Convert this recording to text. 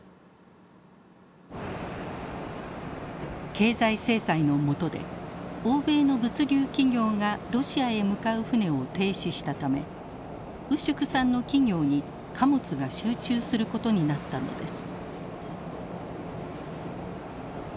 経済制裁のもとで欧米の物流企業がロシアへ向かう船を停止したためウシュクさんの企業に貨物が集中することになったのです。